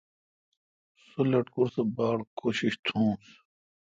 سو لٹکور سہ باڑ کوشش تھنوس۔